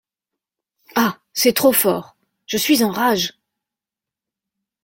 Ah ! c’est trop fort ! je suis en rage !